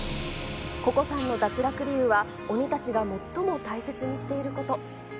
ココさんの脱落理由は、鬼たちが最も大切にしていること。